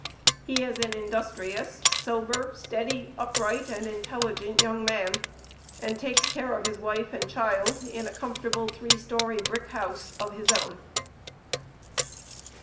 He is an industrious, sober, steady, upright, and intelligent young man, and takes care of his wife and child in a comfortable three story brick house of his own.